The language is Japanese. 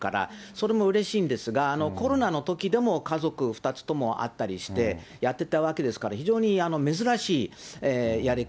それもうれしいんですが、コロナのときでも家族２つとも会ったりして、やってたわけですから、非常に珍しいやり方。